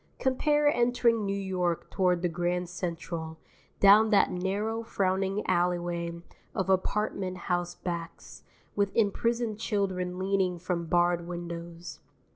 Compare entering New York toward the Grand Central, down that narrow frowning alleyway of apartment house backs, with imprisoned children leaning from barred windows.